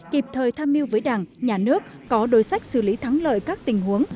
kịp thời tham mưu với đảng nhà nước có đối sách xử lý thắng lợi các tình huống